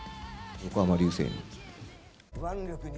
横浜流星に。